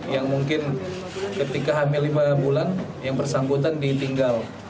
yang mungkin ketika hamil lima bulan yang bersangkutan ditinggal